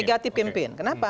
negatif campaign kenapa